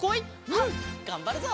うんがんばるぞ！